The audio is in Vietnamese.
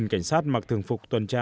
một cảnh sát mặc thường phục tuần tra